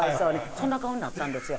そんな顔になったんですよ。